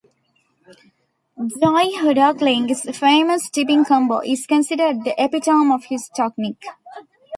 Joey Hudoklin's famous tipping combo is considered the epitome of this technique.